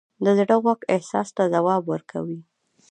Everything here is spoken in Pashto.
د زړه غوږ احساس ته ځواب ورکوي.